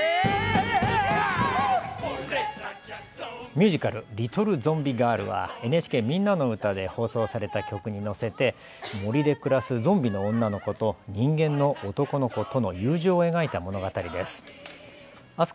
ミュージカル、リトル・ゾンビガールはＮＨＫ、みんなのうたで放送された曲に乗せて森で暮らすゾンビの女の子と人間の男の子との友情を描いた物語です。